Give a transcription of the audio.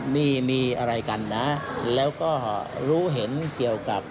มีมีอะไรกันนะแล้วก็รู้เห็นเกี่ยวกับ